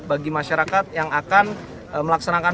bagi masyarakat yang akan melaksanakan